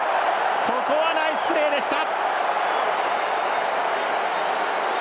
ここはナイスプレーでした！